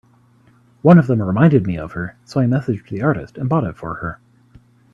One of them reminded me of her, so I messaged the artist and bought it for her.